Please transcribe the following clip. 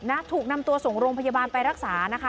ถูกนำตัวส่งโรงพยาบาลไปรักษานะคะ